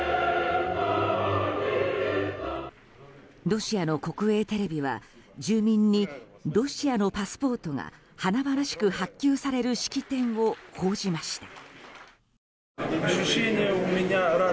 ロシアの国営テレビは住民にロシアのパスポートが華々しく発給される式典を報じました。